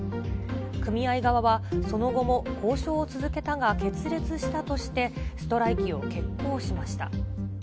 組合側は、その後も交渉を続けたが決裂したとして、ストライキを決行しました。